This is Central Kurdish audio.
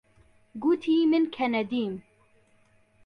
گوتی من کەنەدیم.